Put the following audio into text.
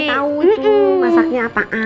pengen tau tuh masaknya apaan